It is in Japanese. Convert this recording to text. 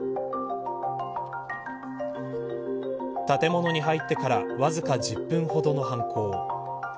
建物に入ってからわずか１０分ほどの犯行。